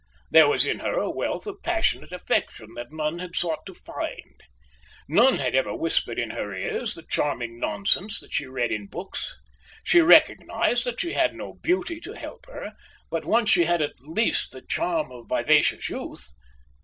There was in her a wealth of passionate affection that none had sought to find. None had ever whispered in her ears the charming nonsense that she read in books. She recognised that she had no beauty to help her, but once she had at least the charm of vivacious youth.